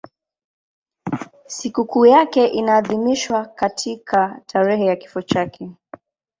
Sikukuu yake inaadhimishwa katika tarehe ya kifo chake.